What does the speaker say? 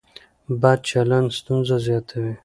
بد چلن ستونزه زیاتوي.